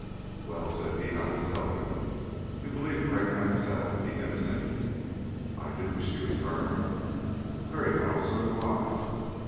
"Well," said he, "I will tell you. You believe Craik Mansell to be innocent?" "I do," she returned. "Very well; so do I."